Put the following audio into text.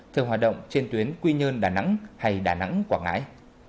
thường hoạt động trên tuyến quy nhơn đà nẵng hay đà nẵng quảng ngãi